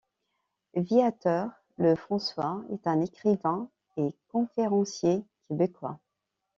Viateur Lefrançois est un écrivain et conférencier québécois.